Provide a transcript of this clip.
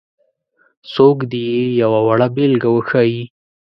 څوک دې یې یوه وړه بېلګه وښيي.